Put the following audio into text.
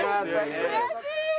悔しい！